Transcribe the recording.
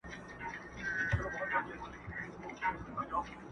ستا تر ناز دي صدقه بلا گردان سم،